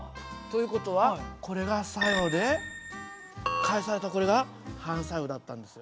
という事はこれが作用で返されたこれが反作用だったんですよ。